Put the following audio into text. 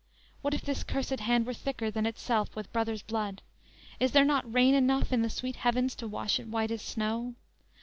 What if this cursed hand Were thicker than itself with brother's blood? Is there not rain enough in the sweet heavens To wash it white as snow?